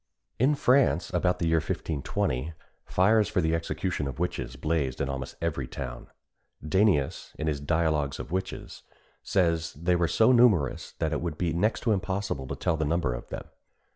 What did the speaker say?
In France, about the year 1520, fires for the execution of witches blazed in almost every town. Danæus, in his Dialogues of Witches, says they were so numerous that it would be next to impossible to tell the number of them.